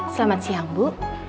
selamat siang bu